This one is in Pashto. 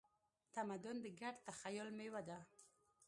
تمدن د ګډ تخیل میوه ده.